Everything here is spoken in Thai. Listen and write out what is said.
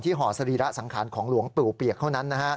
ห่อสรีระสังขารของหลวงปู่เปียกเท่านั้น